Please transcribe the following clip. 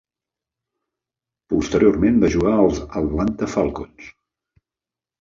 Posteriorment va jugar als Atlanta Falcons.